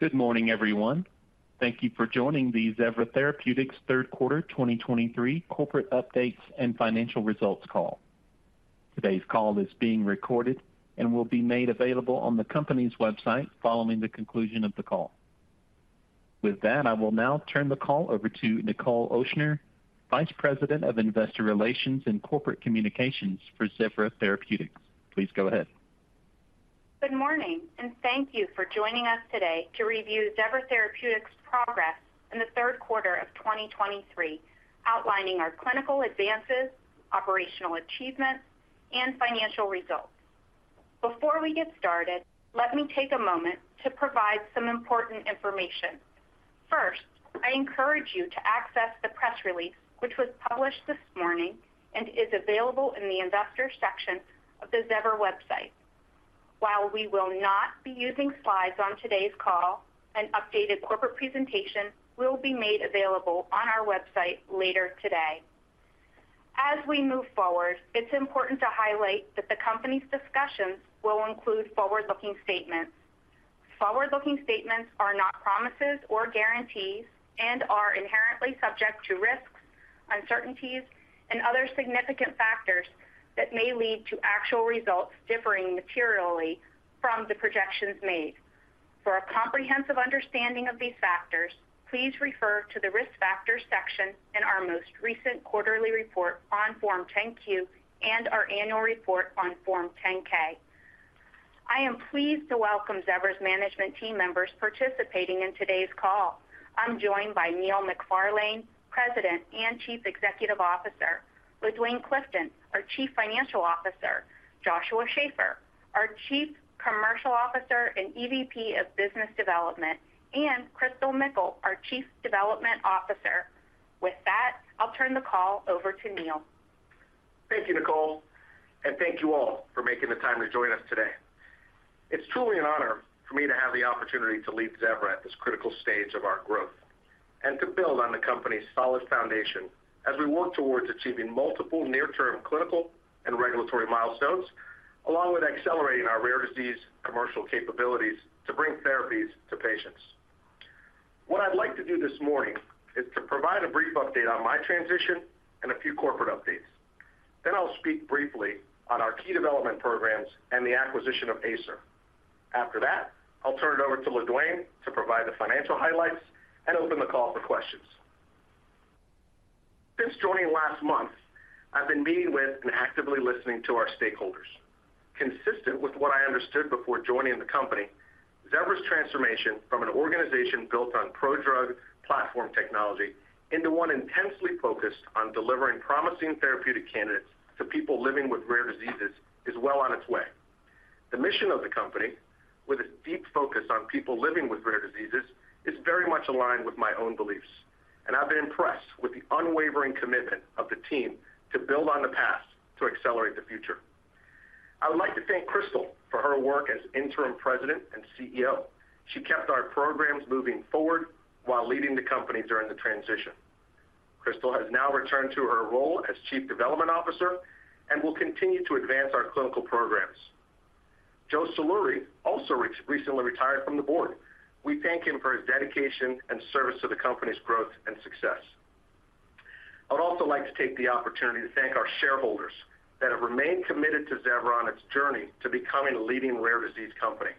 Good morning, everyone. Thank you for joining the Zevra Therapeutics third quarter 2023 corporate updates and financial results call. Today's call is being recorded and will be made available on the company's website following the conclusion of the call. With that, I will now turn the call over to Nichol Ochsner, Vice President of Investor Relations and Corporate Communications for Zevra Therapeutics. Please go ahead. Good morning, and thank you for joining us today to review Zevra Therapeutics' progress in the third quarter of 2023, outlining our clinical advances, operational achievements, and financial results. Before we get started, let me take a moment to provide some important information. First, I encourage you to access the press release, which was published this morning and is available in the investor section of the Zevra website. While we will not be using slides on today's call, an updated corporate presentation will be made available on our website later today. As we move forward, it's important to highlight that the company's discussions will include forward-looking statements. Forward-looking statements are not promises or guarantees and are inherently subject to risks, uncertainties, and other significant factors that may lead to actual results differing materially from the projections made. For a comprehensive understanding of these factors, please refer to the Risk Factors section in our most recent quarterly report on Form 10-Q and our annual report on Form 10-K. I am pleased to welcome Zevra's management team members participating in today's call. I'm joined by Neil McFarlane, President and Chief Executive Officer; LaDuane Clifton, our Chief Financial Officer; Joshua Schafer, our Chief Commercial Officer and EVP of Business Development; and Christal Mickle, our Chief Development Officer. With that, I'll turn the call over to Neil. Thank you, Nichol, and thank you all for making the time to join us today. It's truly an honor for me to have the opportunity to lead Zevra at this critical stage of our growth and to build on the company's solid foundation as we work towards achieving multiple near-term clinical and regulatory milestones, along with accelerating our rare disease commercial capabilities to bring therapies to patients. What I'd like to do this morning is to provide a brief update on my transition and a few corporate updates. Then I'll speak briefly on our key development programs and the acquisition of Acer. After that, I'll turn it over to LaDuane to provide the financial highlights and open the call for questions. Since joining last month, I've been meeting with and actively listening to our stakeholders. Consistent with what I understood before joining the company, Zevra's transformation from an organization built on prodrug platform technology into one intensely focused on delivering promising therapeutic candidates to people living with rare diseases is well on its way. The mission of the company, with a deep focus on people living with rare diseases, is very much aligned with my own beliefs, and I've been impressed with the unwavering commitment of the team to build on the past to accelerate the future. I would like to thank Christal for her work as Interim President and CEO. She kept our programs moving forward while leading the company during the transition. Christal has now returned to her role as Chief Development Officer and will continue to advance our clinical programs. Joseph Saluri also recently retired from the board. We thank him for his dedication and service to the company's growth and success. I'd also like to take the opportunity to thank our shareholders that have remained committed to Zevra on its journey to becoming a leading rare disease company.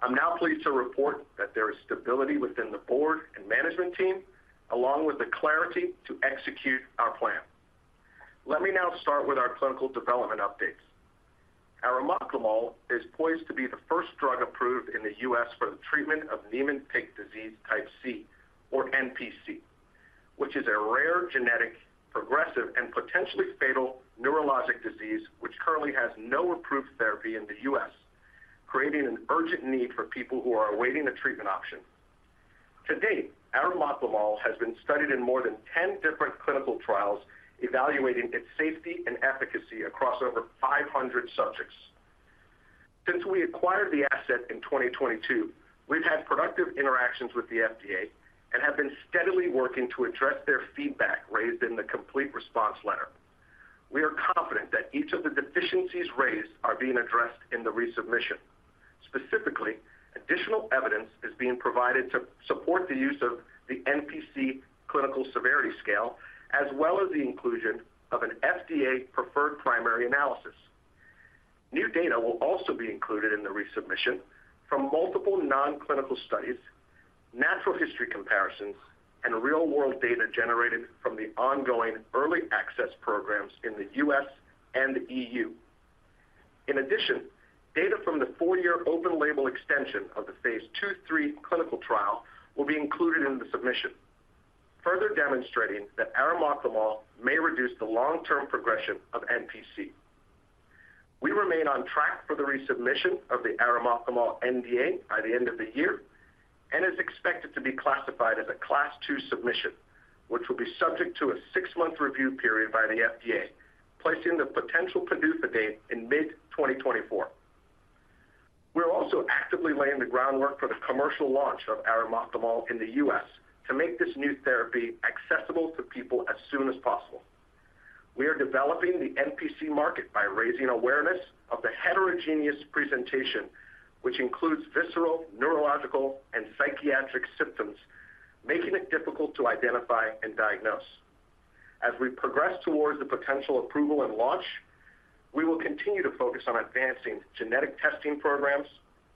I'm now pleased to report that there is stability within the board and management team, along with the clarity to execute our plan. Let me now start with our clinical development updates. Arimoclomol is poised to be the first drug approved in the U.S. for the treatment of Niemann-Pick disease type C, or NPC, which is a rare, genetic, progressive, and potentially fatal neurologic disease, which currently has no approved therapy in the U.S., creating an urgent need for people who are awaiting a treatment option. To date, arimoclomol has been studied in more than 10 different clinical trials, evaluating its safety and efficacy across over 500 subjects. Since we acquired the asset in 2022, we've had productive interactions with the FDA and have been steadily working to address their feedback raised in the Complete Response Letter. We are confident that each of the deficiencies raised are being addressed in the resubmission. Specifically, additional evidence is being provided to support the use of the NPC Clinical Severity Scale, as well as the inclusion of an FDA-preferred primary analysis. New data will also be included in the resubmission from multiple non-clinical studies, natural history comparisons, and real-world data generated from the ongoing early access programs in the U.S. and the E.U. In addition, data from the four-year open-label extension of the Phase 2/3 clinical trial will be included in the submission, further demonstrating that arimoclomol may reduce the long-term progression of NPC. We remain on track for the resubmission of the arimoclomol NDA by the end of the year and is expected to be classified as a Class 2 submission, which will be subject to a six-month review period by the FDA, placing the potential PDUFA date in mid-2024. We're also actively laying the groundwork for the commercial launch of arimoclomol in the U.S. to make this new therapy accessible to people as soon as possible. We are developing the NPC market by raising awareness of the heterogeneous presentation, which includes visceral, neurological, and psychiatric symptoms, making it difficult to identify and diagnose. As we progress towards the potential approval and launch, we will continue to focus on advancing genetic testing programs,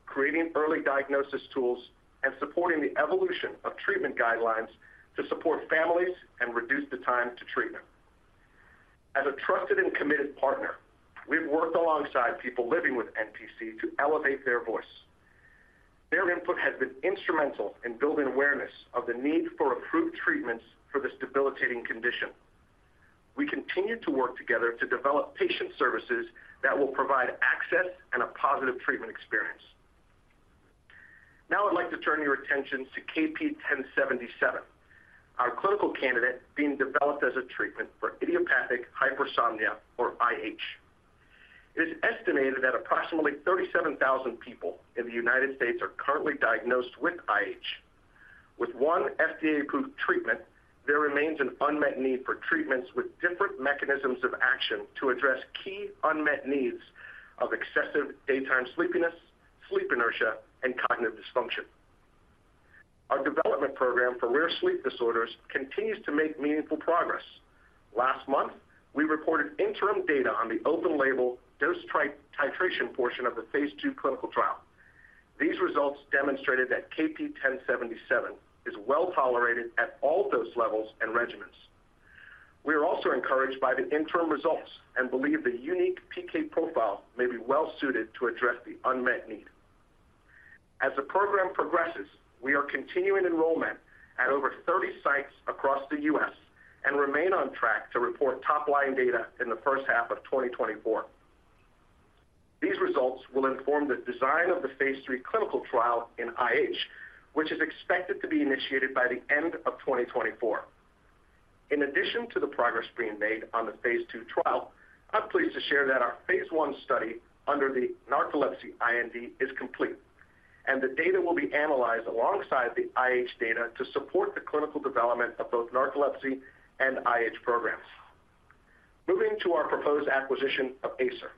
creating early diagnosis tools, and supporting the evolution of treatment guidelines to support families and reduce the time to treatment. As a trusted and committed partner, we've worked alongside people living with NPC to elevate their voice. Their input has been instrumental in building awareness of the need for approved treatments for this debilitating condition. We continue to work together to develop patient services that will provide access and a positive treatment experience. Now, I'd like to turn your attention to KP1077, our clinical candidate being developed as a treatment for idiopathic hypersomnia, or IH. It is estimated that approximately 37,000 people in the United States are currently diagnosed with IH. With one FDA-approved treatment, there remains an unmet need for treatments with different mechanisms of action to address key unmet needs of excessive daytime sleepiness, sleep inertia, and cognitive dysfunction. Our development program for rare sleep disorders continues to make meaningful progress. Last month, we reported interim data on the open-label dose titration portion of the Phase II clinical trial. These results demonstrated that KP1077 is well tolerated at all dose levels and regimens. We are also encouraged by the interim results and believe the unique PK profile may be well suited to address the unmet need. As the program progresses, we are continuing enrollment at over 30 sites across the U.S. and remain on track to report top-line data in the first half of 2024. These results will inform the design of the Phase III clinical trial in IH, which is expected to be initiated by the end of 2024. In addition to the progress being made on the Phase II trial, I'm pleased to share that our Phase I study under the narcolepsy IND is complete, and the data will be analyzed alongside the IH data to support the clinical development of both narcolepsy and IH programs. Moving to our proposed acquisition of Acer.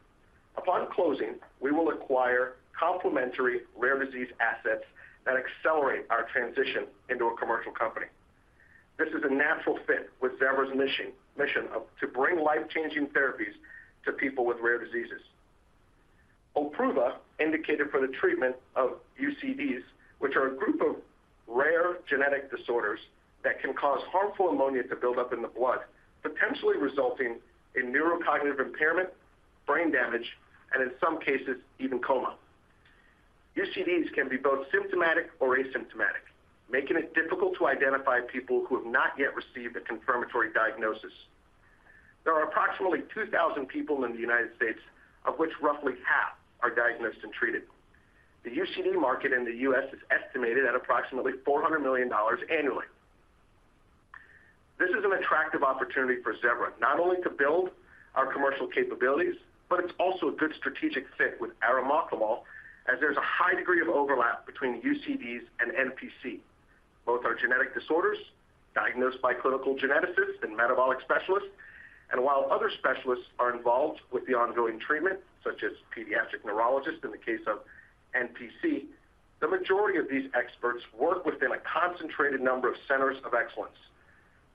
Upon closing, we will acquire complementary rare disease assets that accelerate our transition into a commercial company. This is a natural fit with Zevra's mission, mission of to bring life-changing therapies to people with rare diseases. OLPRUVA, indicated for the treatment of UCDs, which are a group of rare genetic disorders that can cause harmful ammonia to build up in the blood, potentially resulting in neurocognitive impairment, brain damage, and in some cases, even coma. UCDs can be both symptomatic or asymptomatic, making it difficult to identify people who have not yet received a confirmatory diagnosis. There are approximately 2,000 people in the United States, of which roughly half are diagnosed and treated. The UCD market in the US is estimated at approximately $400 million annually. This is an attractive opportunity for Zevra, not only to build our commercial capabilities, but it's also a good strategic fit with arimoclomol, as there's a high degree of overlap between UCDs and NPC. Both are genetic disorders diagnosed by clinical geneticists and metabolic specialists, and while other specialists are involved with the ongoing treatment, such as pediatric neurologists in the case of NPC, the majority of these experts work within a concentrated number of centers of excellence.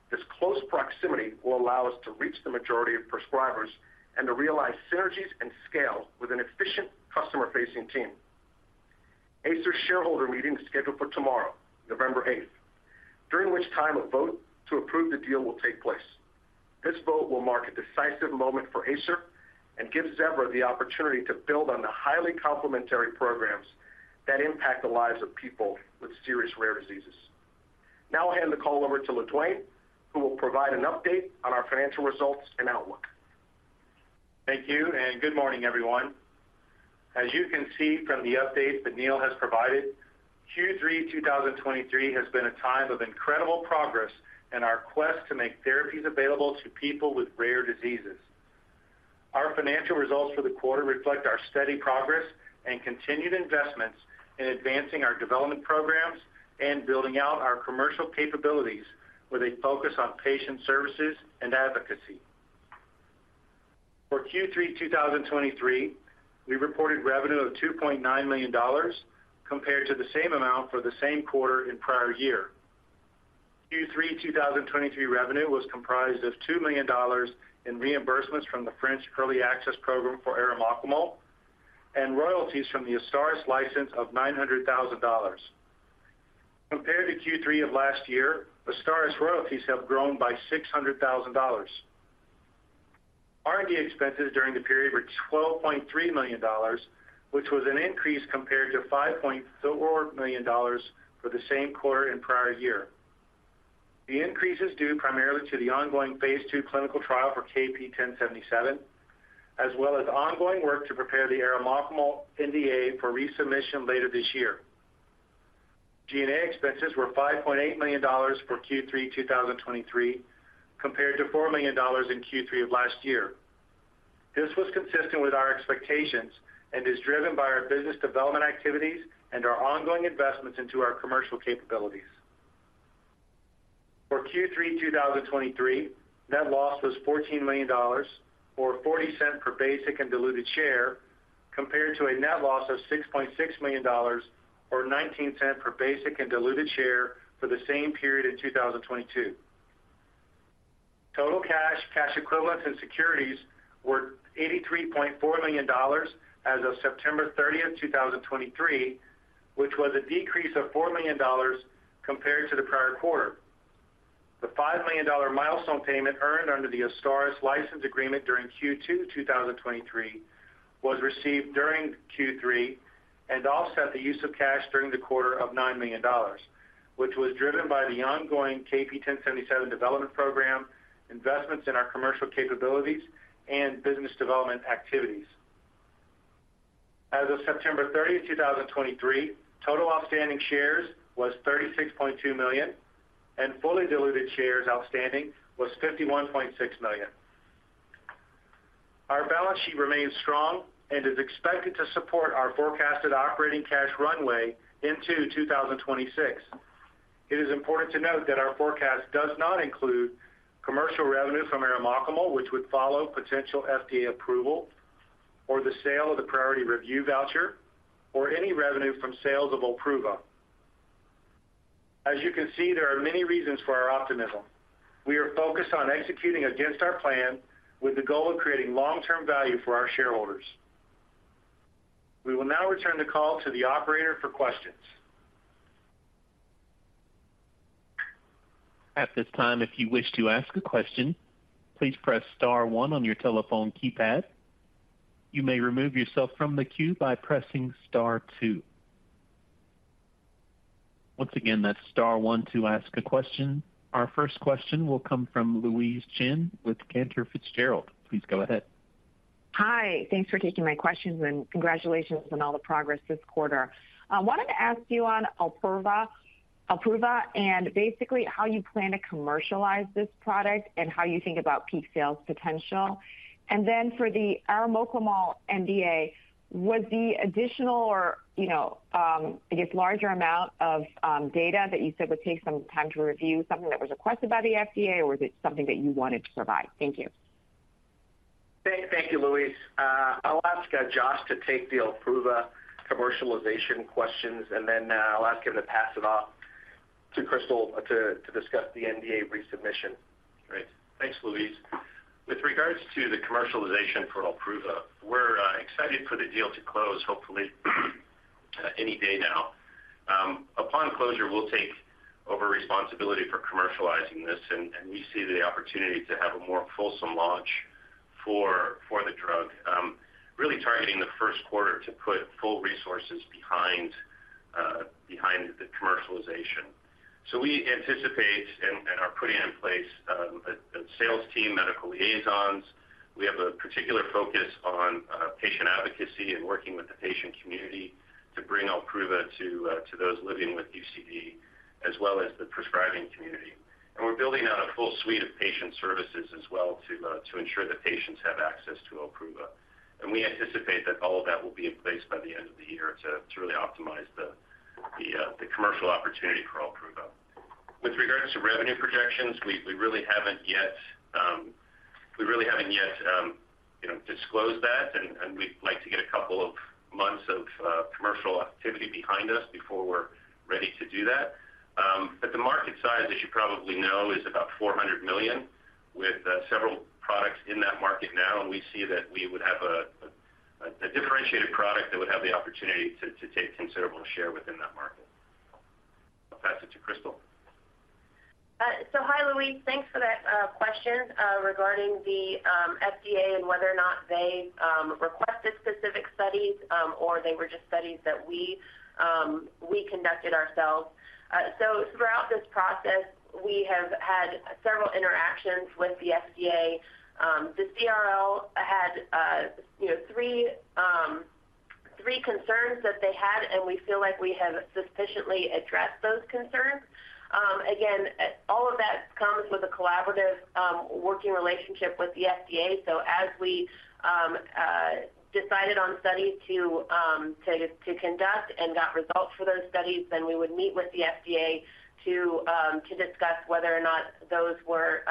This close proximity will allow us to reach the majority of prescribers and to realize synergies and scale with an efficient customer-facing team. Acer's shareholder meeting is scheduled for tomorrow, November eighth, during which time a vote to approve the deal will take place. This vote will mark a decisive moment for Acer and gives Zevra the opportunity to build on the highly complementary programs that impact the lives of people with serious rare diseases. Now I'll hand the call over to LaDuane, who will provide an update on our financial results and outlook. Thank you, and good morning, everyone. As you can see from the update that Neil has provided, Q3 2023 has been a time of incredible progress in our quest to make therapies available to people with rare diseases. Our financial results for the quarter reflect our steady progress and continued investments in advancing our development programs, and building out our commercial capabilities with a focus on patient services and advocacy. For Q3 2023, we reported revenue of $2.9 million compared to the same amount for the same quarter in prior year. Q3 2023 revenue was comprised of $2 million in reimbursements from the French Early Access Program for arimoclomol and royalties from the AZSTARYS license of $900,000. Compared to Q3 of last year, AZSTARYS royalties have grown by $600,000. R&D expenses during the period were $12.3 million, which was an increase compared to $5.4 million for the same quarter in prior year. The increase is due primarily to the ongoing phase II clinical trial for KP1077, as well as ongoing work to prepare the arimoclomol NDA for resubmission later this year. G&A expenses were $5.8 million for Q3 2023, compared to $4 million in Q3 of last year. This was consistent with our expectations and is driven by our business development activities and our ongoing investments into our commercial capabilities. For Q3 2023, net loss was $14 million, or $0.40 per basic and diluted share, compared to a net loss of $6.6 million, or $0.19 per basic and diluted share for the same period in 2022. Total cash, cash equivalents, and securities were $83.4 million as of September 30, 2023, which was a decrease of $4 million compared to the prior quarter. The $5 million milestone payment earned under the AZSTARYS license agreement during Q2 2023 was received during Q3 and offset the use of cash during the quarter of $9 million, which was driven by the ongoing KP1077 development program, investments in our commercial capabilities, and business development activities. As of 30 September, 2023, total outstanding shares was 36.2 million, and fully diluted shares outstanding was 51.6 million. Our balance sheet remains strong and is expected to support our forecasted operating cash runway into 2026. It is important to note that our forecast does not include commercial revenue from arimoclomol, which would follow potential FDA approval, or the sale of the priority review voucher, or any revenue from sales of OLPRUVA. As you can see, there are many reasons for our optimism. We are focused on executing against our plan with the goal of creating long-term value for our shareholders. We will now return the call to the operator for questions. At this time, if you wish to ask a question, please press star one on your telephone keypad. You may remove yourself from the queue by pressing star two. Once again, that's star one to ask a question. Our first question will come from Louise Chen with Cantor Fitzgerald. Please go ahead. Hi. Thanks for taking my questions, and congratulations on all the progress this quarter. I wanted to ask you on OLPRUVA, and basically how you plan to commercialize this product and how you think about peak sales potential. And then for the arimoclomol NDA, was the additional or, you know, I guess, larger amount of data that you said would take some time to review, something that was requested by the FDA, or was it something that you wanted to provide? Thank you. Thank you, Louise. I'll ask Josh to take the OLPRUVA commercialization questions, and then I'll ask him to pass it off to Christal to discuss the NDA resubmission. Great. Thanks, Louise. With regards to the commercialization for OLPRUVA, we're excited for the deal to close, hopefully, any day now. Upon closure, we'll take over responsibility for commercializing this, and we see the opportunity to have a more fulsome launch for the drug, really targeting the first quarter to put full resources behind the commercialization. So we anticipate and are putting in place a sales team, medical liaisons. We have a particular focus on patient advocacy and working with the patient community to bring OLPRUVA to those living with UCD, as well as the prescribing community. And we're building out a full suite of patient services as well to ensure that patients have access to OLPRUVA. We anticipate that all of that will be in place by the end of the year to really optimize the commercial opportunity for OLPRUVA. With regards to revenue projections, we really haven't yet, you know, disclosed that, and we'd like to get a couple of months of commercial activity behind us before we're ready to do that. But the market size, as you probably know, is about $400 million, with several products in that market now. And we see that we would have a differentiated product that would have the opportunity to take considerable share within that market. I'll pass it to Christal. So hi, Louise. Thanks for that question regarding the FDA and whether or not they requested specific studies or they were just studies that we conducted ourselves. Throughout this process, we have had several interactions with the FDA. The CRL had, you know, three concerns that they had, and we feel like we have sufficiently addressed those concerns. Again, all of that comes with a collaborative working relationship with the FDA. So as we decided on studies to conduct and got results for those studies, then we would meet with the FDA to discuss whether or not those were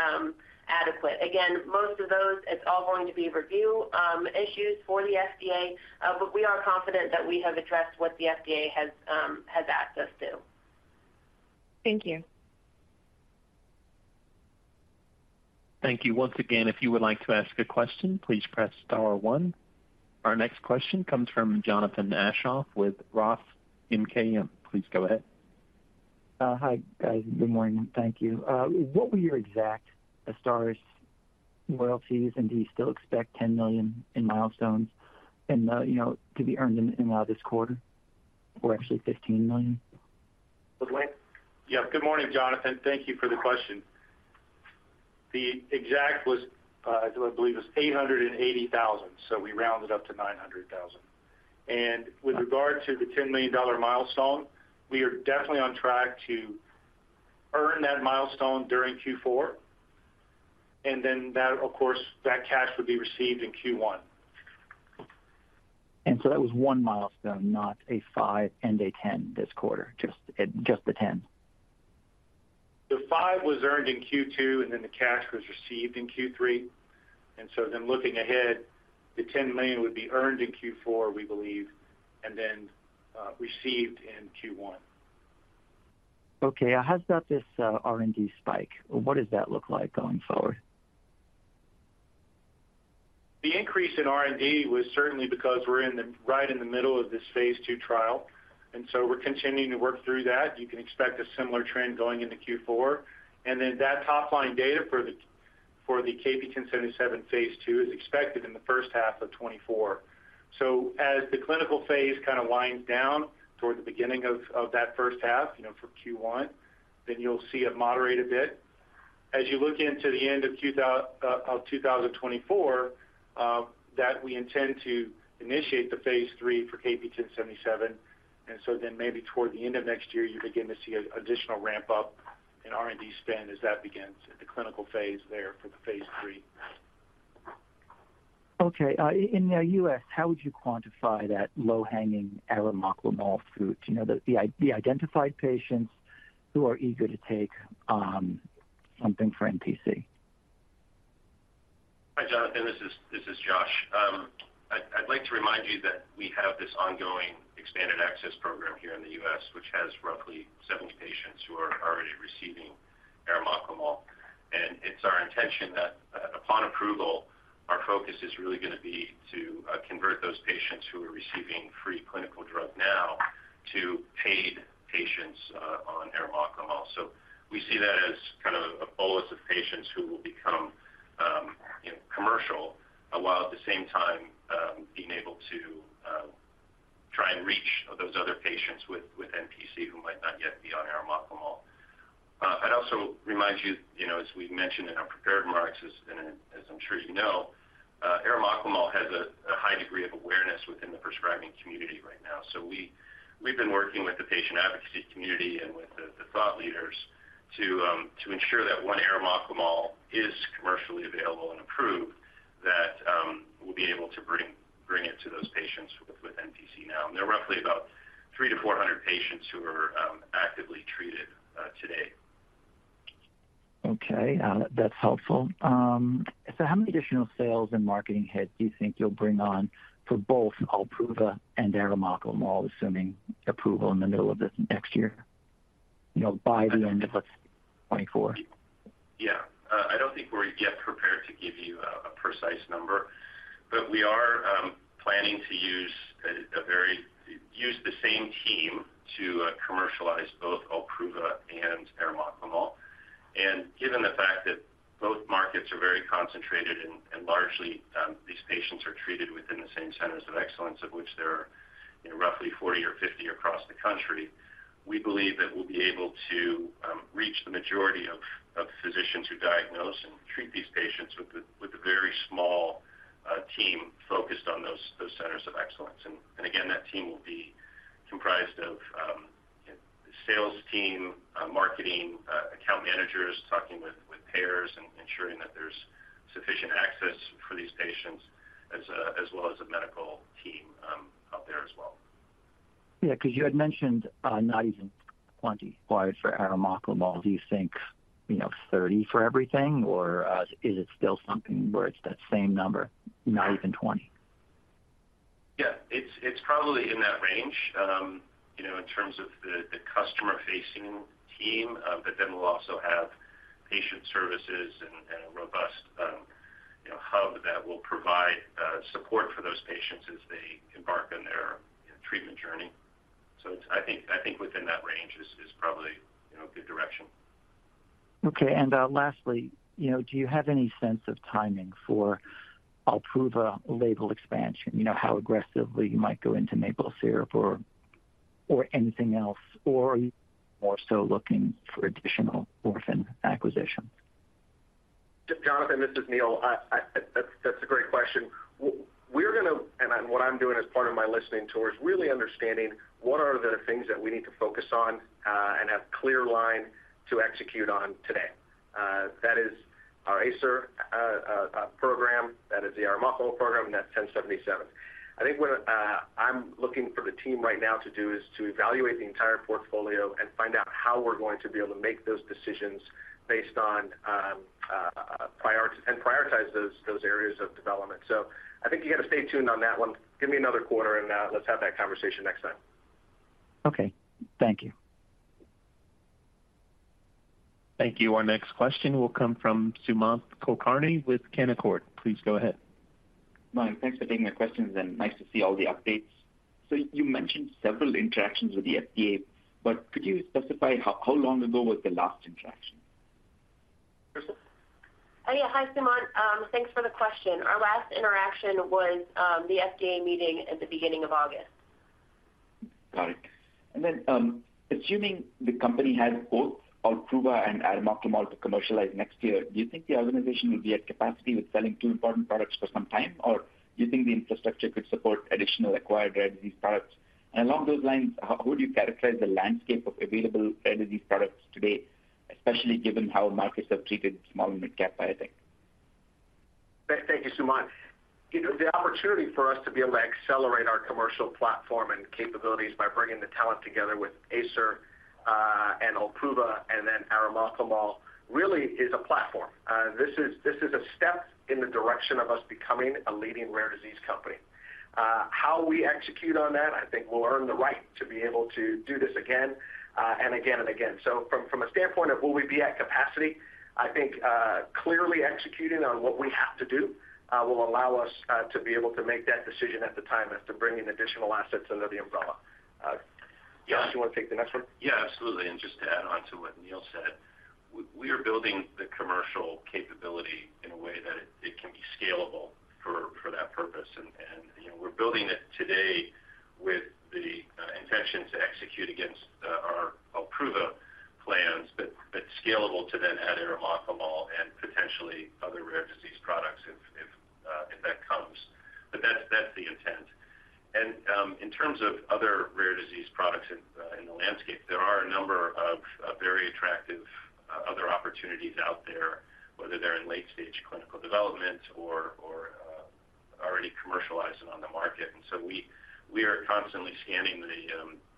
adequate. Again, most of those, it's all going to be review issues for the FDA, but we are confident that we have addressed what the FDA has access to. Thank you. Thank you. Once again, if you would like to ask a question, please press star one. Our next question comes from Jonathan Aschoff with Roth MKM. Please go ahead. Hi, guys. Good morning. Thank you. What were your exact AZSTARYS royalties, and do you still expect $10 million in milestones and, you know, to be earned in this quarter, or actually $15 million? Duane? Yeah. Good morning, Jonathan. Thank you for the question. The exact was, I believe, it was 880,000, so we rounded up to 900,000. And with regard to the $10 million milestone, we are definitely on track to- ...earn that milestone during Q4, and then that, of course, that cash would be received in Q1. And so that was one milestone, not a five and a 10 this quarter, just, just the 10? The $5 million was earned in Q2, and then the cash was received in Q3. And so then looking ahead, the $10 million would be earned in Q4, we believe, and then received in Q1. Okay. How's about this, R&D spike? What does that look like going forward? The increase in R&D was certainly because we're in the right in the middle of this Phase II trial, and so we're continuing to work through that. You can expect a similar trend going into Q4. Then that top-line data for the KP1077 Phase II is expected in the first half of 2024. As the clinical phase kind of winds down toward the beginning of that first half, you know, for Q1, then you'll see it moderate a bit. As you look into the end of 2024, that we intend to initiate the Phase III for KP1077, and so then maybe toward the end of next year, you begin to see an additional ramp-up in R&D spend as that begins the clinical phase there for the Phase III. Okay. In the US, how would you quantify that low-hanging arimoclomol fruit? You know, the identified patients who are eager to take something for NPC. Hi, Jonathan. This is Josh. I'd like to remind you that we have this ongoing expanded access program here in the US, which has roughly 70 patients who are already receiving arimoclomol. And it's our intention that, upon approval, our focus is really going to be to convert those patients who are receiving free clinical drug now to paid patients on arimoclomol. So we see that as kind of a bolus of patients who will become, you know, commercial, while at the same time, being able to try and reach those other patients with NPC who might not yet be on arimoclomol. I'd also remind you, you know, as we've mentioned in our prepared remarks, and as I'm sure you know, arimoclomol has a high degree of awareness within the prescribing community right now. So we've been working with the patient advocacy community and with the thought leaders to ensure that when arimoclomol is commercially available and approved, that we'll be able to bring it to those patients with NPC now. And there are roughly about 300-400 patients who are actively treated today. Okay, that's helpful. So how many additional sales and marketing heads do you think you'll bring on for both OLPRUVA and arimoclomol, assuming approval in the middle of this next year? You know, by the end of let's 2024. Yeah. I don't think we're yet prepared to give you a precise number, but we are planning to use the same team to commercialize both OLPRUVA and arimoclomol. And given the fact that both markets are very concentrated and largely these patients are treated within the same centers of excellence, of which there are roughly 40 or 50 across the country, we believe that we'll be able to reach the majority of physicians who diagnose and treat these patients with a very small team focused on those centers of excellence. And again, that team will be comprised of a sales team, marketing, account managers, talking with payers and ensuring that there's sufficient access for these patients, as well as a medical team out there as well. Yeah, because you had mentioned, not even 20 required for arimoclomol. Do you think, you know, 30 for everything, or, is it still something where it's that same number, not even 20? Yeah, it's probably in that range, you know, in terms of the customer-facing team, but then we'll also have patient services and a robust, you know, hub that will provide support for those patients as they embark on their treatment journey. So I think within that range is probably, you know, a good direction. Okay. And, lastly, you know, do you have any sense of timing for OLPRUVA label expansion? You know, how aggressively you might go into maple syrup or, or anything else, or are you more so looking for additional orphan acquisitions? Jonathan, this is Neil. That's a great question. What I'm doing as part of my listening tour is really understanding what are the things that we need to focus on and have clear line to execute on today. That is our Acer program, that is the arimoclomol program, and that's KP1077. I think what I'm looking for the team right now to do is to evaluate the entire portfolio and find out how we're going to be able to make those decisions based on prior and prioritize those areas of development. So I think you got to stay tuned on that one. Give me another quarter, and let's have that conversation next time. Okay. Thank you. Thank you. Our next question will come from Sumant Kulkarni with Canaccord. Please go ahead. Hi, thanks for taking my questions, and nice to see all the updates. You mentioned several interactions with the FDA, but could you specify how long ago was the last interaction? Christal? Yeah. Hi, Sumant. Thanks for the question. Our last interaction was the FDA meeting at the beginning of August. Got it. And then, assuming the company has both OLPRUVA and arimoclomol to commercialize next year, do you think the organization will be at capacity with selling two important products for some time? Or do you think the infrastructure could support additional acquired rare disease products? And along those lines, how, how would you characterize the landscape of available rare disease products today, especially given how markets have treated small and midcap biotech? Thank you, Sumant. You know, the opportunity for us to be able to accelerate our commercial platform and capabilities by bringing the talent together with Acer, and OLPRUVA, and then arimoclomol, really is a platform. This is, this is a step in the direction of us becoming a leading rare disease company. How we execute on that, I think will earn the right to be able to do this again, and again and again. So from, from a standpoint of will we be at capacity, I think, clearly executing on what we have to do, will allow us, to be able to make that decision at the time as to bringing additional assets under the umbrella. Josh, you want to take the next one? Yeah, absolutely. And just to add on to what Neil said, we are building the commercial capability in a way that it can be scalable for that purpose. And you know, we're building it today with the intention to execute against our OLPRUVA plans, but scalable to then add arimoclomol and potentially other rare disease products if that comes. But that's the intent. And in terms of other rare disease products in the landscape, there are a number of very attractive other opportunities out there, whether they're in late stage clinical development or already commercialized and on the market. And so we are constantly scanning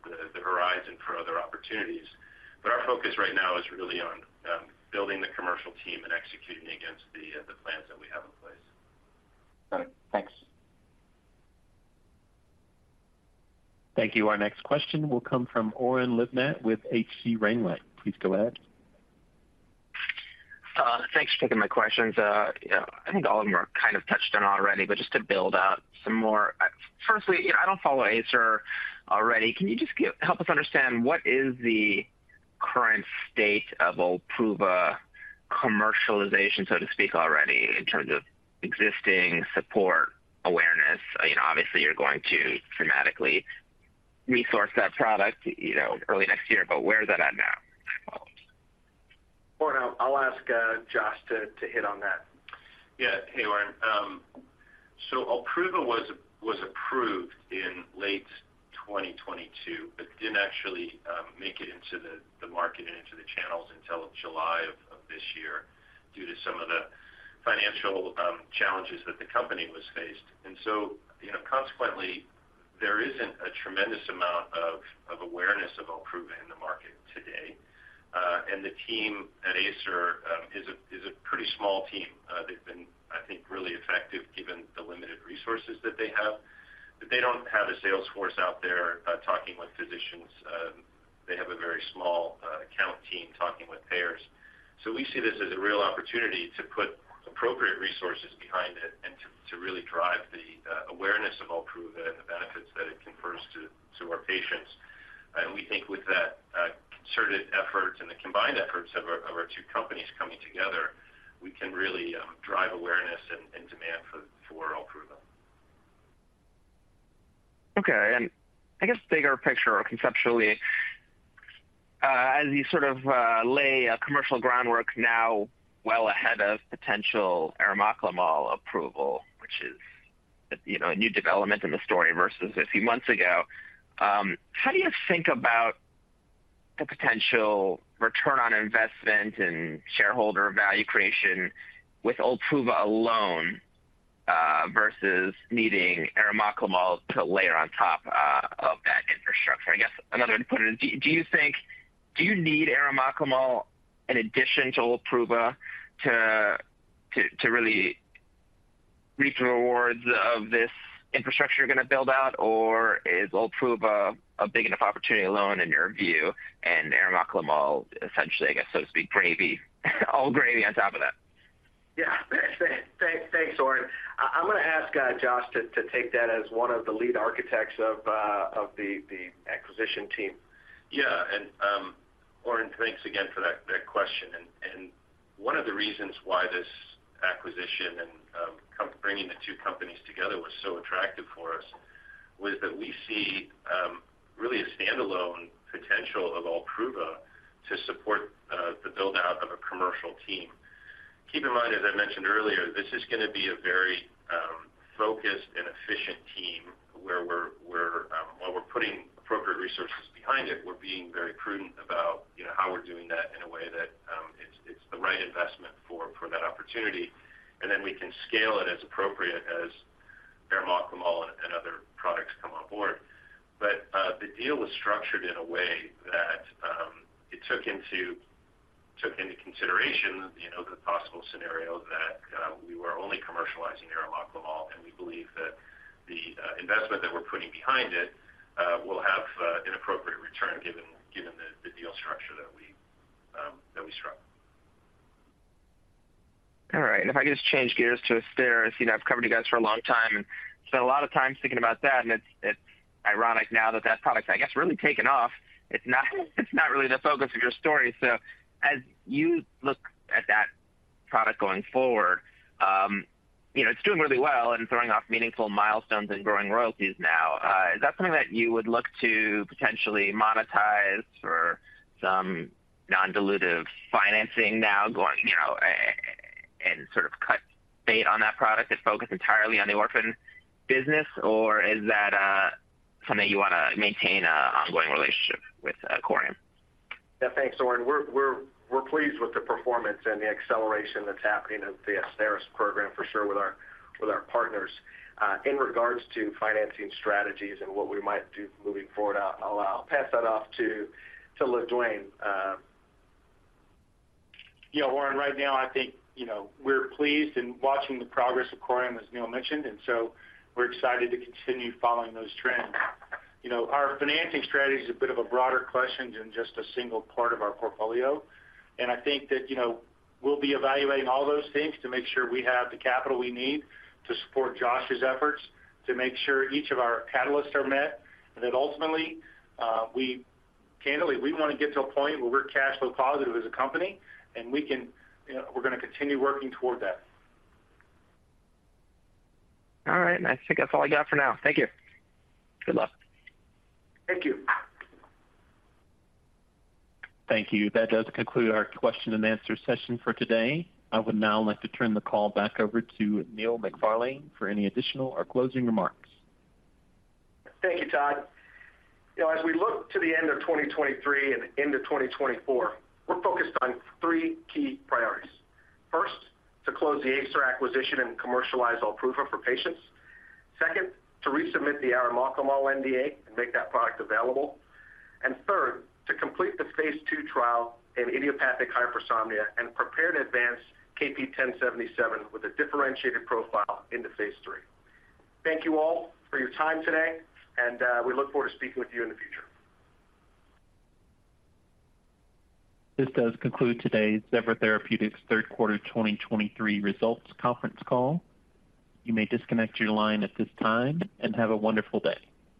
the horizon for other opportunities. Our focus right now is really on building the commercial team and executing against the plans that we have in place. Got it. Thanks. Thank you. Our next question will come from Oren Livnat with H.C. Wainwright. Please go ahead. Thanks for taking my questions. Yeah, I think all of them are kind of touched on already, but just to build out some more. Firstly, you know, I don't follow Acer already. Can you just help us understand what is the current state of OLPRUVA commercialization, so to speak, already, in terms of existing support, awareness? You know, obviously, you're going to dramatically resource that product, you know, early next year, but where is that at now? Oren, I'll ask Josh to hit on that. Yeah. Hey, Oren. So OLPRUVA was approved in late 2022, but didn't actually make it into the market and into the channels until July of this year, due to some of the financial challenges that the company was faced. And so, you know, consequently, there isn't a tremendous amount of awareness of OLPRUVA in the market today. And the team at Acer is a pretty small team. They've been, I think, really effective given the limited resources that they have. But they don't have a sales force out there talking with physicians. They have a very small account team talking with payers. So we see this as a real opportunity to put appropriate resources behind it and to really drive the awareness of OLPRUVA and the benefits that it confers to our patients. And we think with that concerted effort and the combined efforts of our two companies coming together, we can really drive awareness and demand for OLPRUVA. Okay. And I guess bigger picture or conceptually, as you sort of lay a commercial groundwork now well ahead of potential arimoclomol approval, which is, you know, a new development in the story versus a few months ago, how do you think about the potential return on investment and shareholder value creation with OLPRUVA alone, versus needing arimoclomol to layer on top of that infrastructure? I guess another way to put it, do you think—do you need arimoclomol in addition to OLPRUVA to really reap the rewards of this infrastructure you're going to build out, or is OLPRUVA a big enough opportunity alone in your view, and arimoclomol essentially, I guess, so to speak, gravy, all gravy on top of that? Yeah. Thanks. Thanks, Oren. I'm gonna ask Josh to take that as one of the lead architects of the acquisition team. Yeah. And, Oren, thanks again for that, that question. And, one of the reasons why this acquisition and, bringing the two companies together was so attractive for us was that we see, really a standalone potential of OLPRUVA to support, the build-out of a commercial team. Keep in mind, as I mentioned earlier, this is gonna be a very, focused and efficient team where we're, while we're putting appropriate resources behind it, we're being very prudent about, you know, how we're doing that in a way that, it's the right investment for, that opportunity. And then we can scale it as appropriate as arimoclomol and other products come on board. But the deal was structured in a way that it took into consideration, you know, the possible scenario that we were only commercializing arimoclomol, and we believe that the investment that we're putting behind it will have an appropriate return, given the deal structure that we struck. All right. And if I could just change gears to AZSTARYS. You know, I've covered you guys for a long time and spent a lot of time thinking about that, and it's ironic now that that product, I guess, really taken off. It's not really the focus of your story. So as you look at that product going forward, you know, it's doing really well and throwing off meaningful milestones and growing royalties now, is that something that you would look to potentially monetize for some non-dilutive financing now, going, you know, and sort of cut bait on that product and focus entirely on the orphan business, or is that something you want to maintain an ongoing relationship with Corium? Yeah, thanks, Oren. We're pleased with the performance and the acceleration that's happening in the AZSTARYS program, for sure, with our partners. In regards to financing strategies and what we might do moving forward, I'll pass that off to Duane. Yeah, Oren, right now, I think, you know, we're pleased in watching the progress of Corium, as Neil mentioned, and so we're excited to continue following those trends. You know, our financing strategy is a bit of a broader question than just a single part of our portfolio. And I think that, you know, we'll be evaluating all those things to make sure we have the capital we need to support Josh's efforts to make sure each of our catalysts are met, and that ultimately, we candidly want to get to a point where we're cash flow positive as a company, and we can, you know, we're going to continue working toward that. All right. I think that's all I got for now. Thank you. Good luck. Thank you. Thank you. That does conclude our question and answer session for today. I would now like to turn the call back over to Neil McFarlane for any additional or closing remarks. Thank you, Todd. You know, as we look to the end of 2023 and into 2024, we're focused on three key priorities. First, to close the Acer acquisition and commercialize OLPRUVA for patients. Second, to resubmit the arimoclomol NDA and make that product available. And third, to complete the Phase II trial in idiopathic hypersomnia and prepare to advance KP1077 with a differentiated profile into Phase III. Thank you all for your time today, and we look forward to speaking with you in the future. This does conclude today's Zevra Therapeutics third quarter 2023 results conference call. You may disconnect your line at this time, and have a wonderful day.